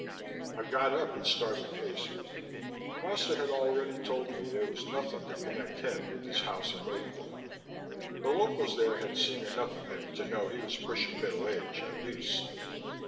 I got up and started pacing. Foster had already told me there was nothing to connect him with his house in Mayport; the locals there had seen enough of him to know he was pushing middle age, at least.